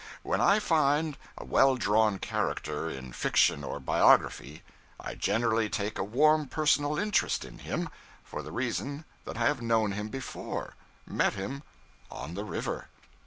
When I find a well drawn character in fiction or biography, I generally take a warm personal interest in him, for the reason that I have known him before met him on the river.